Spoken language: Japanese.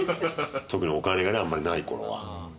特にお金があんまりない頃は。